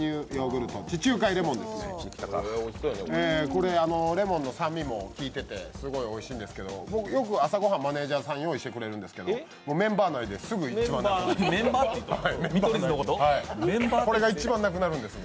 これレモンの酸味も効いててすごいおいしいんですけど僕よく朝ご飯、マネージャーさん用意してくれるんですけどメンバー内ですぐこれが一番なくなるんです。